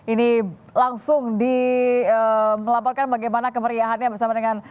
ini langsung di melaporkan bagaimana kemeriahannya bersama dengan